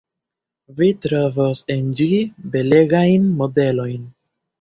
Vi trovos en ĝi belegajn modelojn.